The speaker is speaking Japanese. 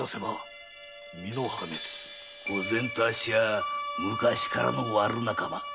御前とあっしは昔からの悪仲間。